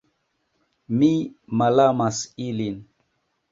Mi malamas ilin.